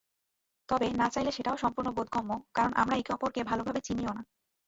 তবে না চাইলে সেটাও সম্পূর্ণ বোধগম্য, কারণ আমরা একে-অপরকে ভালোভাবে চিনিও না।